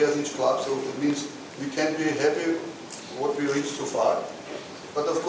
jadi itu berarti kita tidak bisa bahagia dengan apa yang kita telah mencapai